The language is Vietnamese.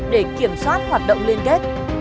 để kiểm soát hoạt động liên kết